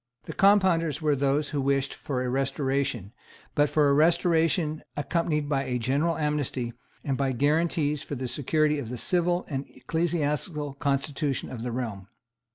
The Compounders were those who wished for a restoration, but for a restoration accompanied by a general amnesty, and by guarantees for the security of the civil and ecclesiastical constitution of the realm.